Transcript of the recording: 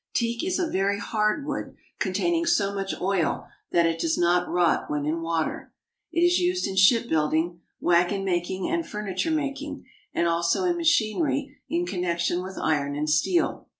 Teak is a very hard wood containing so much oil that it does not rot when in water. It is used in shipbuilding, wagon making and furniture making, and also in machinery in connection with iron and steel.